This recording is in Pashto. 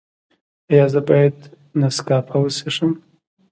ایا زه باید نسکافه وڅښم؟